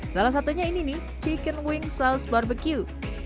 salah satunya ini nih chicken wing saus barbecue